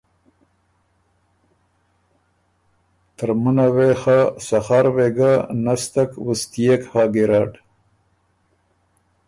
ترمُنه وې خه سخر وېګه نستک وُستيې هۀ ګیرډ،